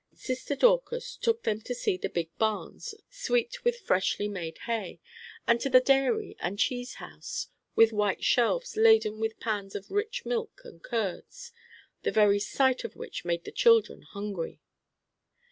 Sister Dorcas took them to see the big barns, sweet with freshly made hay, and to the dairy and cheese house, with white shelves laden with pans of rich milk and curds, the very sight of which made the children hungry.